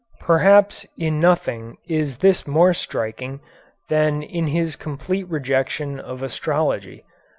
Perhaps in nothing is this more striking than in his complete rejection of astrology.